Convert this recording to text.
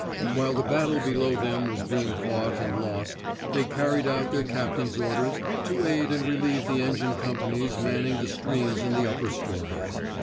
While the battle below them was being fought and lost, they carried out their cap tain's orders to aid and relieve the engine companies manning the streams in the upper stories..